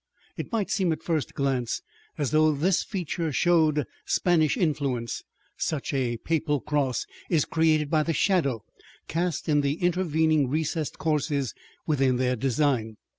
It might seem at first glance as though this feature showed Spanish influence, since a Papal cross is created by the shadow cast in the intervening recessed courses within their design.